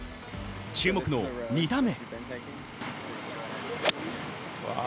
注目の２打目。